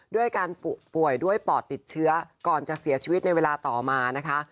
ด้วยการป่วยด้วยปอดติดเชื้อก่อนจะเสียชีวิตในเวลาต่อมานะคะ